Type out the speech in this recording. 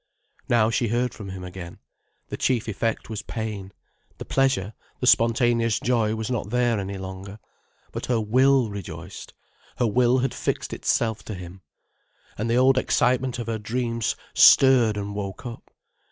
Now she heard from him again. The chief effect was pain. The pleasure, the spontaneous joy was not there any longer. But her will rejoiced. Her will had fixed itself to him. And the old excitement of her dreams stirred and woke up.